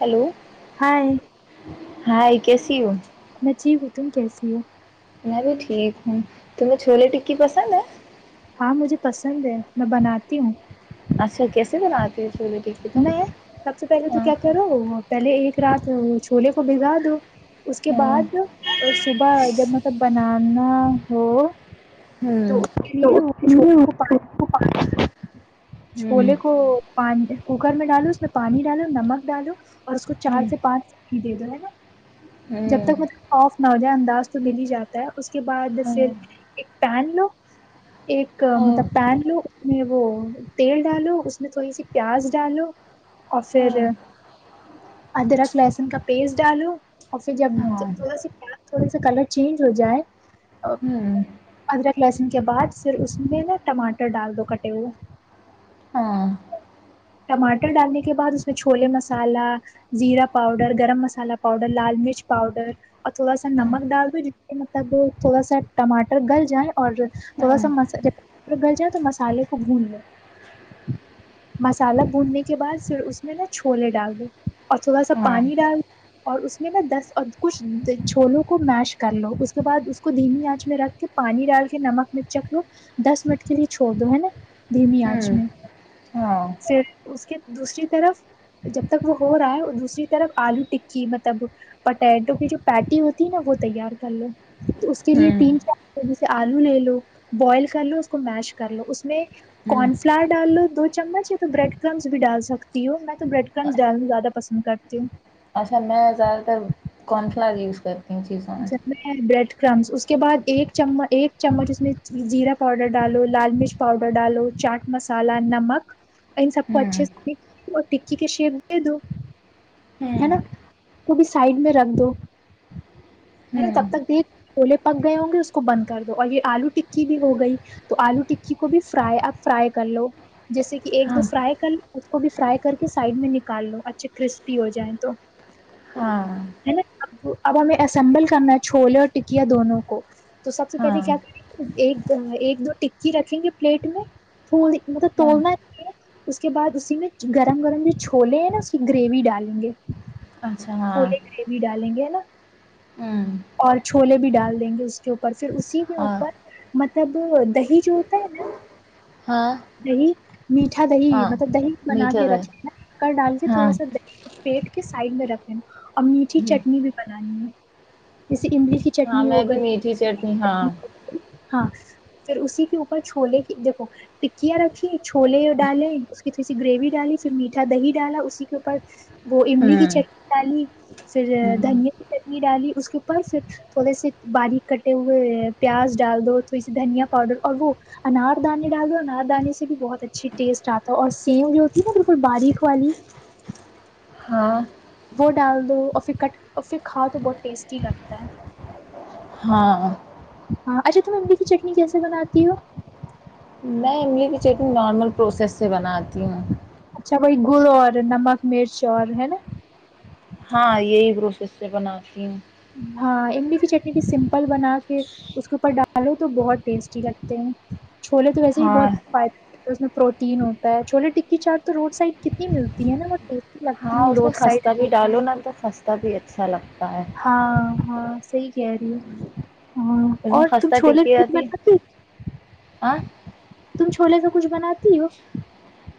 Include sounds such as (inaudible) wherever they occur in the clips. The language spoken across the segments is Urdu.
ہلو نہیں ہاں ا کیسیی ہو میں ٹھیک ہوں، تم کیسی ہو؟ میں بھی ٹھیک ہوں تمہیں چھلیے ٹکی پسند ہے ہاں مجھے پسند ہے میں بناتی ہوں اچھا، کیسی بناتی ہو چھولے ٹکی تم میں سب سے پہلے تو ہاں کیا کرو پہلے ایک رات چھولے کو بگا دو اس کے ہاں بعد اور صبح جب مطلب بنانا ہو تو ہوں تو چ جی چھولے کو کوکر میں ڈالو اس میں پانی ڈالو نمک ڈالو اور اس کو ہوں چار سے پانچی دے دو ہے نا جب ہوں تک مطلب صاف نہ ہو جائے انداز تو مل ہی جاتا ہے اس کے بعد ہوں ہاں پھر ایک پین لو ایک مطلب ہاں پین لو اس میں وہ تیل ڈالو اس میں تھوڑی سی پیاز ڈالو اور پھر ادرک لہسن کا پیسٹ ڈالو اور پھر جب ہاں ہاں جب ہوں ہاں ہاں ہاں تھوڑا سا پیاز تھوڑا سا کلر چینج ہو جائے ہاں ہوں ادرک لہسن کے بعد پھر اس میں نا ٹماٹر ڈال دو کٹے ہوئے ٹماٹر ڈالنے کے بعد اس میں چھولے مسالہ زیرا پاؤڈر گرم مسالہ پاؤڈر لال مرچ پاؤڈر اور تھوڑا سا نمک ڈال دو جس سے مطلب تھوڑا سا ٹماٹر گل جائے اور تھوڑا سا مس اورگر گلجا تو مسالے خوب بھون لو مسالہ بھوننے کے بعد پھر اس میں نا چھولے ڈال دو اور تھوڑا سا پانی ڈال اور اس میں نا دس کچھ چھولوں کو میش کر لو اس کے بعد اس کو دھیمی آنچ میں رکھ کے پانی ڈال کے نمک مر چکھ لو دس منٹ کے لیے چھوڑ دو ہے نا دھیمی آنچ میں ہاں پھر اس کے دوسری طرف جب تک وہ ہو رہا ہے دوسری طرف آلو ٹکی مطلب پٹیٹو کی جو پیٹی ہوتی نا وہ تیار کر لو تو اس کے لیے ہوں تین چار آلو لے لو بوائل کر لو اس کو میش کر لو اس میں ہوں کارن فلاور ڈال لو دو چمچ یا تو بریڈ کرمس بھی ڈال سکتی ہوں میں تو بریڈ کرمس ڈالنا زیادہ پسند کرتی ہوں اچھا میں زیادہ تر کارن فلاور یوز کرتی ہوں چیزیں ج (unintelligible) ڈ کرم اس کے بعد ایک ایک چمچ اس میں زیرا پاؤڈر ڈالو لال مرچ پاؤڈر ڈالو چاٹ مسالہ نمک ان سب کو اچھے ہوں سے اور ٹکی کے شیپ دے دو ہے ہوں نا بھی سائڈ میں رکھ دو نا ہوں تب تک دیکھ چھولے پک گئے ہوں گے اس کو بند کر دو اور یہ آلو ٹکی بھی ہو گئی تو آلو ٹکی کو بھی فرائی اب فرائی کر لو جیسے کہ ایک ہاں دو فرائی کر ل اس کو بھی فرائی کر کے سائڈ میں نکال لو اچھے کرسپی ہو جائیں تو ہاں ہے نا اب اب ہمیں اسمبل کرنا ہے چھولے اور ٹکیا دونوں کو تو سب سے ہاں پہلے کیا کریں گے ایک ایک دو ٹکی رکھیں گے پلیٹ میں پول مطلب ہاں توڑنا چ ہے اس کے بعد اسی میں گرم گرم جو چھولے ہیں نا اس کی گریوی ڈالیں گے اچھا ہاں پھولے گریوی ڈالیں گے ہے نا ہوں اور چھولے بھی ڈال دیں گے اس کے اوپر پھر اسی کے ہاں اوپر تب دہی جو ہوتا ہے نا ہاں نہیں میٹھا دہی ہاں مطلب دہی بنا میٹھا کے دہی رکھے کر ڈال کے ہاں تھوڑا سا دہی فٹ سائڈ میں رکھیں اور میٹھی چٹنی بھی بنانی ہے ج املی کی ہاں چٹنی ہو میں بھی گئی میٹھی ہاں چٹنی ہو گئی ہاں پھر اسی کے اوپر چھولے کی دیکھو ٹکیاں رکھی چھولے ڈالے اس کی تھوڑی سی گریوی ڈالی پھر میٹھا دہی ڈالا اسی کے اوپر وہ املی کی ہوں چ ڈالی پھر ہوں دھنیا کی چٹنی ڈالی اس کے اوپر پھر تھوڑے سے باریک کٹے ہوئے پیاز ڈال دو تھوڑی سی دھنیا پاؤڈر اور وہ انار دانے ڈال دو انار کھ آے سے بھی بہت اچھھی ٹیسٹ آتا اور سیم جو ہوتی ہے نا بالکل باریک والی ہاں وہ ڈال دو اور پھر اور پھر کھا تو بہت ٹیسٹی لگتا ہے ہاں ہاں اچھا تم املی کی چٹنی کیسے بناتی ہو میںی بھی چیکنگ نارمل پروسیس سے بناتی ہوں اچھا کوئی گڑ اور نمک مرچ اور ہے نا ہاں یہی پروسیس سے بناتی ہوں ہاں املی کی چٹنی بھی سمپل بنا کے اس کے اوپر ڈالو تو بہت ٹیسٹی لگتے ہیں چھوولے تو ویسے بھی ہاں بہت فائدہ تو اس میں پروٹین ہوتا ہے چھولے ٹکی چاٹ تو روڈ سائڈ کتنی ملتی ہے نا وہ ٹی ہاں اس میں خستہ بھی ڈالو نا تو خستہ بھی اچھا لگتا ہے ہاں ہاں صحی کہہ رہی ہو ہاں اس میں اور ت خستہ چھولے ٹکی پھول رہتی بناتی آں تم چھولے سے کچھ بناتی ہو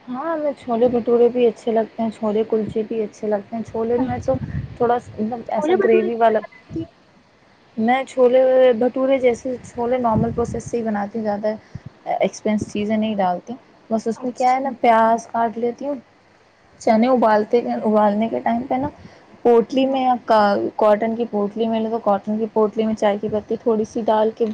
ہاں ہمیں چھولے بٹورے بھی اچھے لگتے ہیں چھولے کلچے بھی اچھے لگتے ہیں چھولے میں تو اچھا تھوڑا مطلب ایسا چھولے بھٹورے گریوی کی والا بناتی ہو میں چھولے بھٹورے جیسے چھولے نارمل پروسیس سے ہی بناتی ہوں زیادہ ایکسپینس چیزیں نہیں ڈالتے بس ا اس میں کیا ہے اچھا نا کاٹ لیتی ہوں چنے ابالتے ابالنے کے پہ نا پٹلی میں کاٹن کی پوٹلی میں لے دو کاٹن کی پوٹلی میں چائے کی پتی تھوڑی سی ڈال کے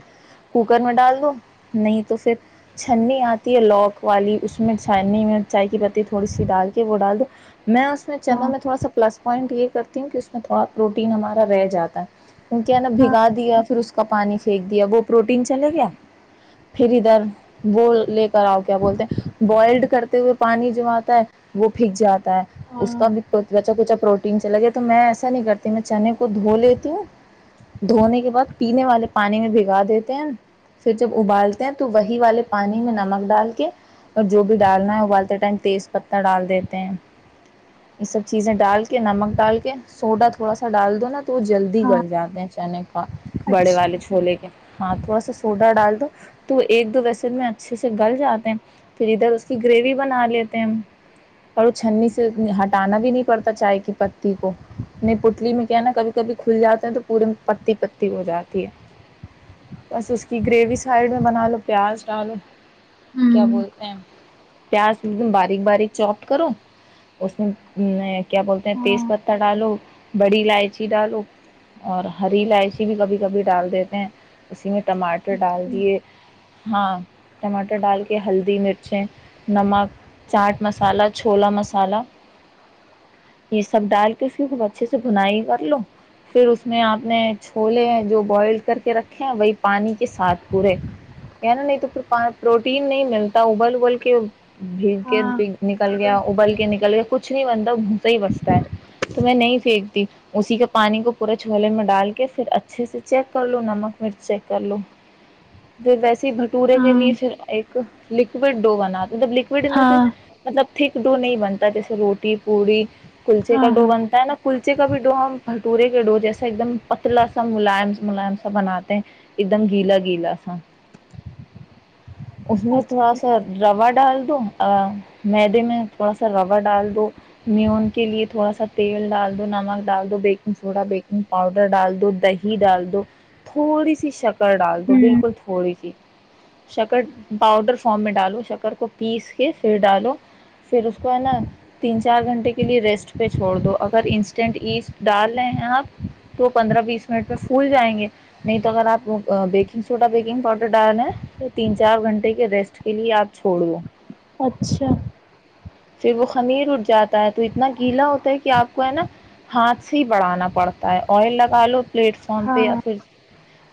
کوکر میں ڈال دو نہیں تو پھر چھنی آتی ہے لاک والی اس میں چاننی میں چائے کی پتی تھوڑی سی ڈال کے وہ ڈال دو میں اس میں چلوں ہاں میں تھوڑا سا پلس پوائنٹ یہ کرتی ہوں کہ اس میں تھوڑا پروٹین ہمارا رہ جاتا ہے ان کیا نا ہاں بھگا دیا پھر اس کا پانی پھینک دیا وہ پروٹین چلے گیا پھر ادھر وہ لے کر آؤ کیا بولتے ہیں بوائلڈ کرتے ہوئے پانی جو آتا ہے وہ پھنک جاتا ہاں اس کا ہاں بھی بچا کچھا پروٹین چل گیا تو میں ایا س گ میں چنے کو دھو لیتی ہوں دھونے کے بعد پینے والے پانی میں بھگا دیتے ہیں پھر جب ابالتے ہیں تو وہی والے پانی میں نمک ڈال کے اور جو بھی ڈالنا ہے ابالتے ٹائم تیز پتہ ڈال دیتے ہیں یہ سب چیزیں ڈال کے نمک ڈال کے سوڈا تھوڑا سا ڈال دو نا تو تو جلدی ہاں گل جاتے ہیں چانک بڑے اچھا والے چھولے کے ہاں تھوڑا سا سوڈا ڈال دو تو ایک دو ویسن میں اچھے سے گل جاتے ہیں پھر ادھر اس اس کی گریوی بنا لیتے ہیں ہم اور وہ چھنی سے ہٹانا بھی نہیں پڑتا چائے کی پتی کو نہیں پتلی میں کیا ہے نا کبھی کبھی کھل جاتے ہیں تو پورے میں پتی پتی ہو جاتی ہے بس اس کی گریوی سائڈ میں بنا لو پیاز ڈالو کیا ہوں بولتے ہیں پیاز ایک دم باریک باریک چوپٹ کرو اس میں کیا بولتے ہیں تیز ہاں پتتا ڈالو بڑی الائچی ڈالو اور ہری الائچی بھی کبھی کبھی ڈال دیتے ہیں اسی میں ٹماٹر ڈال دیے ہاں ٹماٹر ڈال کے ہلدی مر نمک چاٹ مسالا چھولا مسالہ یہ سب ڈال کے پھر خب اچھے سے بنائی کر لو پھر اس میں آپ نے چھولے جو بوائل کر کے رکھے ہیں وہی پانی کے ساتھ پورے نا نہیں تو پروٹین نہیں ملتا ابل کے بھیگ کے ہاں نکل گیا ابل کے نکل گیا کچھ نہیں بنتا بھوسا ہی بستا ہے تو میں نہیں پھینکتی اسی کے پانی کو پورے چھوولے میں ڈال کے پھر اچھے سے چیک کر لو نمک مرچ چیک کر لو پھر ویسے بھٹورے کے لیے ہاں پھر ایک لوڈ وڈو بناات تھا مطلب لوڈ ان د سینس ہاں مطلب تھک ڈو نہیں بنتا جیسے روٹی پوڑی کلچے ہاں کا ڈو ہاں بنتا ہے نا کلچے کا بھی ڈ ہم بھٹورے کے ڈو جیسا ایک دم پتلا سا ملائم ملم سا بناتے ہیں ایک دم گیلا گیلا سا اس میں تھوڑا اچھا سا سا روا ڈال دو میدے میں تھوڑا سا روا ڈال دو میون کے لیے تھوڑا سا تیل ڈال دو نمک ڈال دو بیکنگ سوڈا بیکنگ پاؤڈر ڈال دو دہی ڈال دو تھوڑی سی شک کر ڈال دو ہوں بالکل تھوڑی سی شکٹ پاؤڈر فام میں ڈالو شکر کو پیس کے پھر ڈالو پھر اس کو ہے نا تین چار گھنٹے کے لیے ریسٹ پہ چھوڑ دو اگر انسٹینٹ ایسٹ ڈال رہے ہیں آپ تو پندرہ بیس منٹ میں پھول جائیں گے نہیں تو اگر آپ بیکنگ سوڈا بیکنگ پاؤڈر ڈال رہے ہیں تو تین چار گھنٹے کے ریسٹ اس کے لیے آپ چھوڑو اچھا پھر وہ خمیر اٹھ جاتا ہے تو اتنا گیلا ہوتا ہے کہ آپ کو ہے نا ہاتھ سے ہی بڑانا پڑتا ہے آئل لگا لو پلیٹ فارم پہ ہاں یا پھر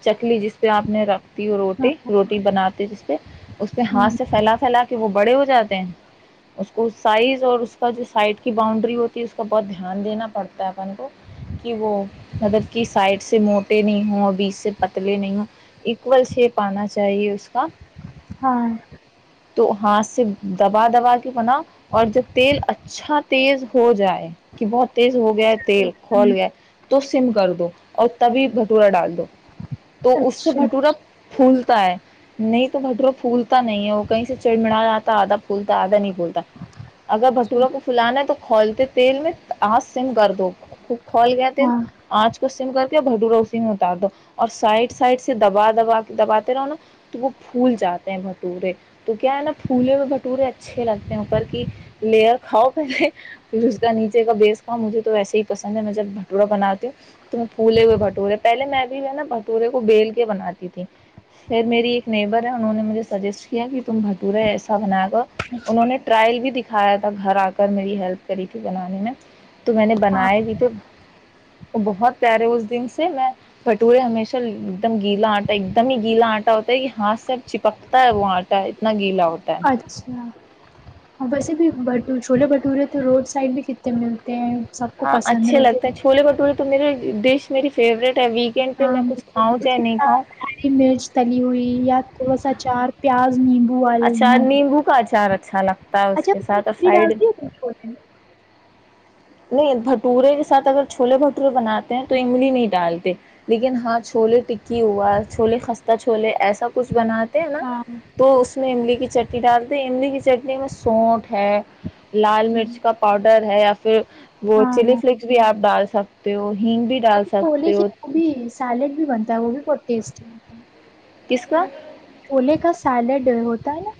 چکلی جس پہ آپ نے رکھتی وہ ہاں روٹی روٹی بناتی جس پہ اس پہ ہاتھ ہوں سے پھیلا پھیلا کے وہ بڑے ہو جاتے ہیں اس کو سائز اور اس کا جو سائڈ کی باؤنڈری ہوتی ہے اس کا بہت دھیان دینا پڑتا ہے اپن کو کہ وہ مطلب کہ سائڈ سے موٹے نہیں ہوں اور بیچ سے پتلے نہیں ہوں اول شیپ آنا چاہیے اس کا ہاں تو ہاتھ سے دبا دبا کے بنا اور جب تیل اچھا تیز ہو جائے کہ بہت تیز ہو گیا ہے تیل کھول ہوں گیا تو سم کر دو اور تبھی بھٹورا ڈال دو تو اس سے اچھا بھٹورا پھولتا ہے نہیں تو بھٹرو پھولتا نہیں ہے وہ کہیں سے چڑمڑا جاتا آدھا پھولتا ہے آدھا نہیں بولتا اگر اچھا بھورا کو فلانا ہے تو کھولتے تیل میں آج سم گرد ہو خول گ ہاں آج سم کر کے بھٹورا اسی میں اتار دو اور سائڈ سائڈ سے دبا دبا کے دباتے رہو نا تو وہ پھول جاتے ہیں بھٹورے تو کیا ہے نا پھولے میں بٹورے اچھے لگتے اوپر کی لیئر کھاؤ پہلے پھر اس کا نیچے کا بیس کھاؤ مجھے تو ویسے ہی پسند ہے میں جب بھٹورا بناتی ہوں تم پھولے ہوئے بھٹورے پہلے میں بھی ہے نا بھٹورے کو بیل کے بناتی تھی پھر میری ایک نیبر ہے انہوں نے مجھے سجیسٹ کیا کہ تم بھٹورا ایسا بنا کر انہوں نے ٹرائل بھی دکھایا تھا گھر آ کر میری ہیلپ کری تھی بنانے میں تو میں نے ہاں بنائے بھی تھے وہ بہت پیارے اس دن سے میں بھٹورے ہمیشہ ایک دم گیلا آٹا ایک دم ہی گیلا آٹا ہوتا ہے کہ ہاتھ سےب چپکتا ہے وہ آٹا اتنا گیلا ہوتا ہے اچھا ہاں ویسے بھی بٹ چھولے بھٹورے تو روڈ سائڈ بھی کتنے ملتے ہیں سب کو ہاں پسند ہے اچھے ویسے لگتے ہیں بھی چھولے بٹورے تو میرے ڈش میری فیوریٹ ہے ویکینڈ پہ میں کچھ کھؤں چاہے نہیں کھاؤں کالی مرچ تلی ہوئی یا تھوڑا سا چار پیاز نیند اچار نیمبو کا اچار رکھ اچھا لگتا ہے اس اچھا کے ساتھ اور (inaudible) فرائڈ ڈالتی ہے چھو دیں گے نہیں بھٹورے کے ساتھ اگر چھولے بھٹورے بناتے ہیں تو اگلی نہیں ڈالتے لیکن ہاں چھولے ٹکی ہوا چھولے خستہ چھولے ایسا کچھ بناتے ہیں نا ہاں تو اس میں املی کی چٹنی چٹارتے املی کی چٹنی میں سونٹ ہے لال ہوں مرچ کا پاؤڈر ہے پھر وہ ہاں ہاں چلی فلیکس بھی آ ڈال سکتے ہو ہگ بھی ڈال اچا چھوولے سکتے ہو کیب بھی سیلیڈ بھی بنتا ا ہے وہ بھی بہت ٹیٹیتا ہے کس کا چھولے کا سیلیڈ ہوتا ہے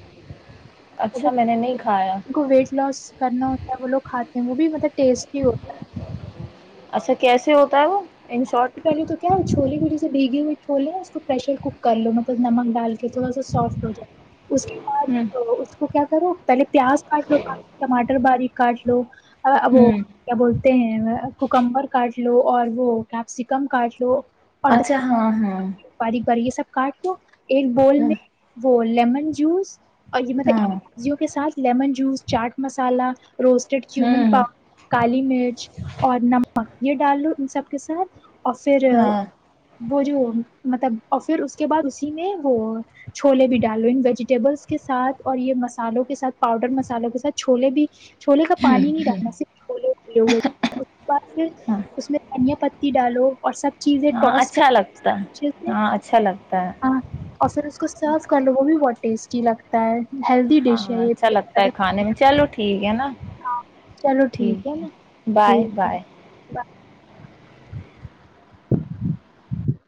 اچھا میں نے نہیں کھایا جن کو ویٹ لوس کرنا ہوتا ہے وہ لوگ کھاتے ہیں وہ بھی ملب ٹیسٹی ہوتا ہے اچھا کیسے ہوتا ہے وہ ان شارٹ پہلے تو کیا چھولی (inaudible) سے بھیگی ہوئی ت توھولے اس کو پریشر کوک کر لو مطلب نمک ڈال کے تھوا سا سافٹ ہو جائےا اس کے ہوں بعد اس کو کیا کرو پہلے پیاز کاٹ لو کا ٹماٹر باری کاٹ لو اب ہوں کیا بولتے ہیں کوکمبر کاٹ لو اور وہ کیپسکم کاٹ لو اور اچھا ہاں ہاں باریک باری یہ سب کاٹ لو ایک بول ہاں میں بول لیمن جوس اور یہ مطلب ا ہاں سبزیوں کے ساتھ lemon juice chaat masala roasted چومن پا ہوں کالی مرچ اور نمک یہ ڈال لو ان سب کے ساتھ اورفھر (inaudible) ہاں مطلب اور پھر اس کے بعد اسی میں وہ چھولے بھی ڈالو ان ویجیٹیبلس کے ساتھ اور یہ مسالوں کے ساتھ پاؤڈر مسالوں کے ساتھ چھولے بھی چھولے کا پانی نہیں ڈالنا ص چھولےھولے ہوئے اس بعد پھر ہاں اس میں دنیا پ تتی ڈالو اور سب چیزیں ہاں ٹاس کر اچھا لگتا ہے اچ ہاں اچھا لگتا ہے ہاں اور پھر اس کو سرو کر لو وہ بھی بہت ٹیسٹی لگتا ہے ہیلدی ہاں ڈش ہے یہ اچھا لگتا ہے کھانے میں چلو ٹھیک نا (unintelligible) ہ چلو ٹھیک ہے نا ٹھیک ہے